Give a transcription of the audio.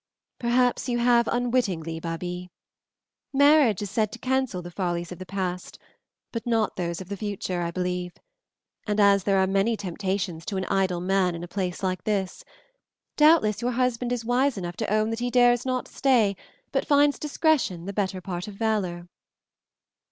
"Perhaps you have unwittingly, Babie. Marriage is said to cancel the follies of the past, but not those of the future, I believe; and, as there are many temptations to an idle man in a place like this, doubtless your husband is wise enough to own that he dares not stay but finds discretion the better part of valor."